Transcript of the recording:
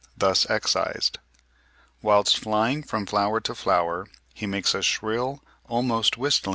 44), thus excised. Whilst flying from flower to flower he makes "a shrill, almost whistling noise" (56.